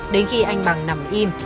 đến khi anh bằng nằm im